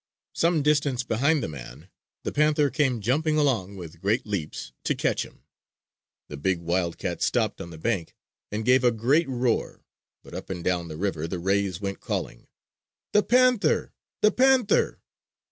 Some distance behind the man the panther came jumping along with great leaps to catch him. The big wildcat stopped on the bank, and gave a great roar; but up and down the river the rays went calling; "The Panther! The Panther!"